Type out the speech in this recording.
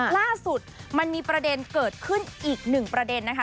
ล่าสุดมันมีประเด็นเกิดขึ้นอีกหนึ่งประเด็นนะคะ